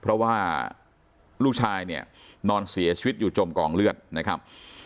เพราะว่าลูกชายเนี่ยนอนเสียชีวิตอยู่จมกองเลือดนะครับ